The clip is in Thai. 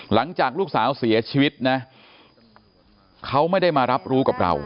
หลังจากลูกสาวเสียชีวิตนะเขาไม่ได้มารับรู้กับเรา